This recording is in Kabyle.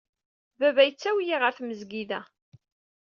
Baba yettawi-iyi ɣer tmezgida.